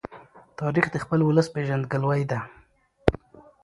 تاریخ د خپل ولس پېژندګلوۍ ده.